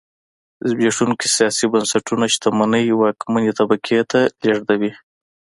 زبېښونکي سیاسي بنسټونه شتمنۍ واکمنې طبقې ته لېږدوي.